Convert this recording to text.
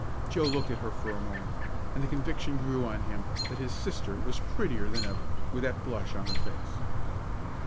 Joe looked at her for a moment, and the conviction grew on him that his sister was prettier than ever, with that blush on her face.